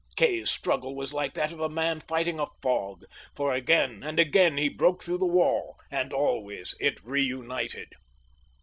Kay's struggle was like that of a man fighting a fog, for again and again he broke through the wall, and always it reunited.